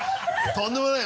とんでもない！